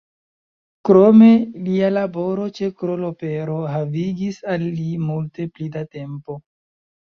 Krome lia laboro ĉe Kroll-opero havigis al li multe pli da tempo.